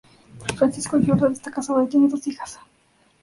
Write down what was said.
Francisco Jódar está casado y tiene dos hijas.